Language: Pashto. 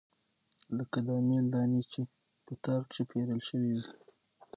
لکه د امېل دانې چې پۀ تار کښې پېرلے شوي وي